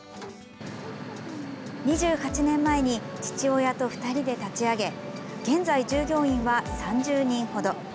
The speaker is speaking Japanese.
２８年前に父親と２人で立ち上げ現在、従業員は３０人程。